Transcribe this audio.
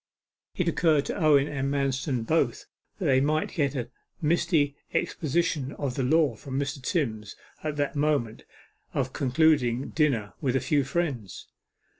It occurred to Owen and Manston both that they might get a misty exposition of the law from Mr. Timms at that moment of concluding dinner with a few friends.